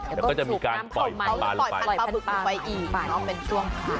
เดี๋ยวก็จะมีการปล่อยพันบาทละไปปล่อยพันบาทละไปอีกเนอะเป็นช่วงเท้า